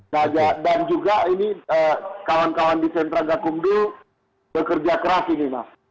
dan juga ini kawan kawan di sentra gakumdu bekerja keras ini mas